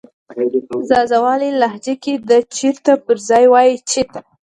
ځاځيواله لهجه کې د "چیرته" پر ځای وایې "چیته"